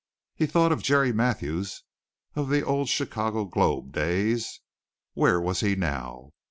He thought of Jerry Mathews of the old Chicago Globe days where was he now?